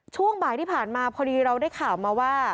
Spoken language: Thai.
ช่วงบ่ายที่ผ่านมาพอดีเราได้ข่าวมาว่า